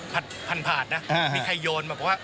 พันภาษณ์นะมีใครโยนมาไปว่า